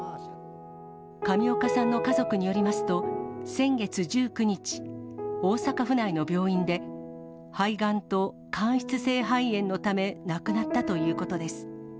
上岡さんの家族によりますと、先月１９日、大阪府内の病院で、肺がんと間質性肺炎のため亡くなったということです。